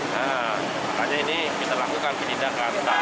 nah makanya ini kita lakukan penindakan